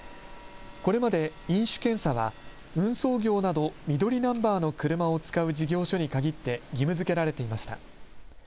これまで飲酒検査は運送業など緑ナンバーの車を使う事業所に限って義務づけられていました。